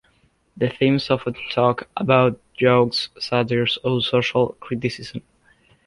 The themes often talk about jokes, satires or social criticism.